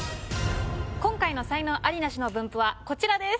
今回の才能アリ・ナシの分布はこちらです。